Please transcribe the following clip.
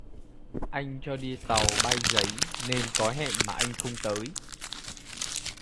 Anh cho đi tàu bay giấy nên có hẹn mà anh không tới